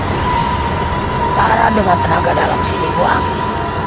sekarang dengan tenaga dalam sini bu anggi